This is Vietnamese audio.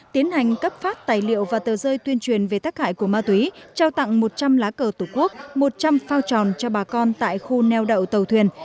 tiến hành cấp phát tài liệu và tờ rơi tuyên truyền về tác hại của ma túy trao tặng một trăm linh lá cờ tổ quốc một trăm linh phao tròn cho bà con tại khu neo đậu tàu thuyền